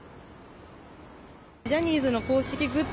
ジャニーズの公式グッズ